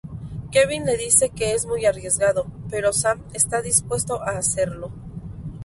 Kevin le dice que es muy arriesgado, pero Sam está dispuesto a hacerlo.